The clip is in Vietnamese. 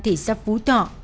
thì sắp phú tọ